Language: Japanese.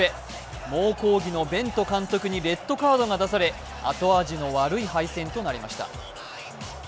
猛抗議のベント監督にレッドカードが出され後味の悪い敗戦となりました。